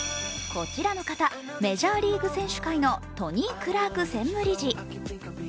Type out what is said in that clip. こちらの方、メジャーリーグ選手会のトニー・クラーク専務理事。